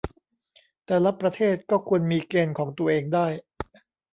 แต่ละประเทศก็ควรมีเกณฑ์ของตัวเองได้